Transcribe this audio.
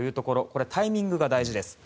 タイミングが大事です。